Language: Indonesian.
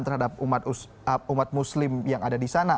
terhadap umat muslim yang ada di sana